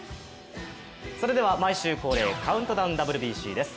毎週恒例カウントダウンＷＢＣです。